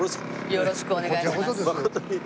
よろしくお願いします。